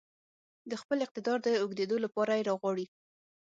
د خپل اقتدار د اوږدېدو لپاره يې راغواړي.